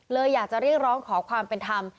เลยอยากจะเรียกร้องขอความเป็นธรรม